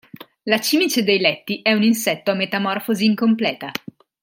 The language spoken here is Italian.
La cimice dei letti è un insetto a metamorfosi incompleta.